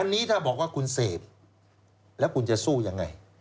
วันนี้ถ้าบอกว่าคุณเสพแล้วคุณจะสู้ยังไง